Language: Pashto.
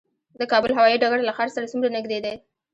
د کابل هوايي ډګر له ښار سره څومره نږدې دی؟